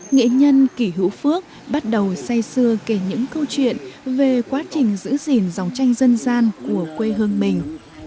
nghệ nhân kỷ hữu phước bắt đầu say xưa kể những câu chuyện về quá trình giữ gìn dòng tranh dân gian của quê hương mình